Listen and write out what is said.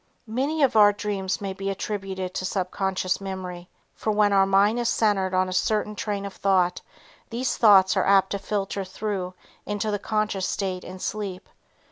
Many of our dreams may be attributed to subconscious memory, for when our mind is centered on a certain train of thought these thoughts are apt to filter through into the conscious state in sleep.